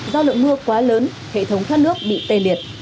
do lượng mưa quá lớn hệ thống thoát nước bị tê liệt